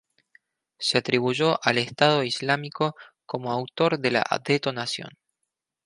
Se atribuyó al Estado Islámico como autor de la detonación.